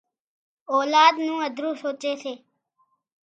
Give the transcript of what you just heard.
اولاد نُون هڌرون سوچي سي